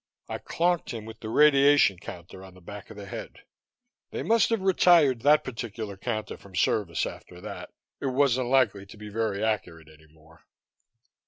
I clonked him with the radiation counter on the back of the head. They must have retired that particular counter from service after that; it wasn't likely to be very accurate any more.